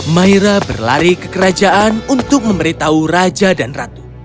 maira berlari ke kerajaan untuk memberitahu raja dan ratu